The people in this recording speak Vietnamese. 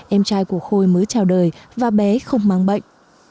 em trai của khôi mới trào đời và bé không mang bệnh